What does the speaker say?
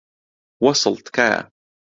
وەسڵ، تکایە.